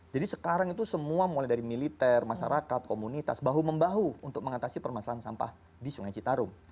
jadi sekarang itu semua mulai dari militer masyarakat komunitas bahu membahu untuk mengatasi permasalahan sampah di sungai citarum